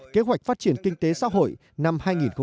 kế hoạch phát triển kinh tế xã hội năm hai nghìn một mươi tám